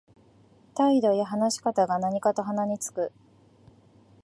態度や話し方が何かと鼻につく